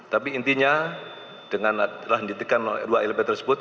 tapi intinya dengan adalah mendidikan dua elemen tersebut